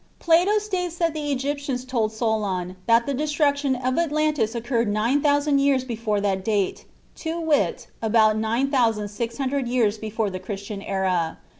Plato states that the Egyptians told Solon that the destruction of Atlantis occurred 9000 years before that date, to wit, about 9600 years before the Christian era.